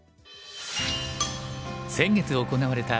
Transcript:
先月行われた